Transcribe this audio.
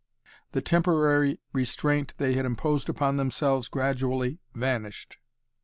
The temporary restraint they had imposed upon themselves gradually vanished.